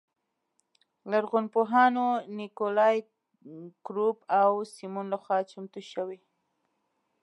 لرغونپوهانو نیکولای ګروب او سیمون لخوا چمتو شوې.